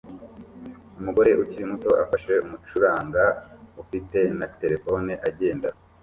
Umugore ukiri muto afashe umucuranga ufite na terefone agenda